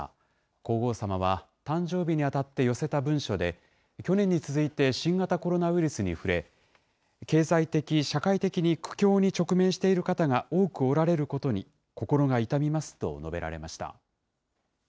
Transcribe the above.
皇后さまは誕生日にあたって寄せた文書で、去年に続いて新型コロナウイルスに触れ、経済的、社会的に苦境に直面している方が多くおられることに、心が痛みますと述べられました。